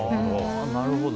なるほど。